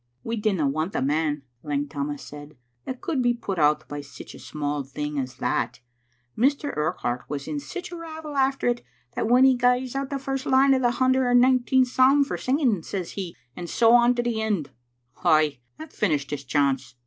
" "We didna want a man," Lang Tammas said, "that could be put out by sic a sma' thing as that. Mr. Urquhart was in sic a ravel after it that when he gies out the first line o* the hunder and nineteenth psalm for singing, says he, *And so on to the end.' Ay, that fin ished his chance.